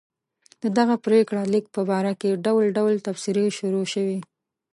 د دغه پرېکړه لیک په باره کې ډول ډول تبصرې شروع شوې.